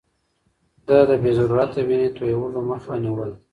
ده د بې ضرورته وينې تويولو مخه نيوله.